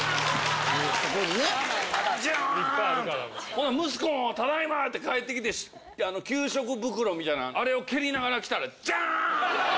ほな息子もただいまって帰ってきて給食袋みたいなんあれを蹴りながら来たらジャーン！